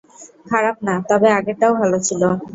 খারাপ না, তবে আগেরটাও ভালো ছিল।